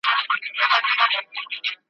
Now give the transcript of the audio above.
بیا به اورېږي پر غزلونو ,